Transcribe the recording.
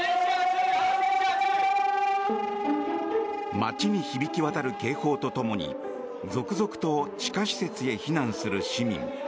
街に響き渡る警報とともに続々と地下施設へ避難する市民。